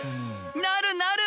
なるなる！